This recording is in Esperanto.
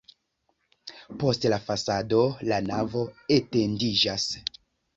Post la fasado la navo etendiĝas.